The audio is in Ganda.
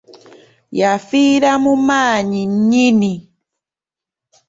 Yafiira mu maanyi nnyini!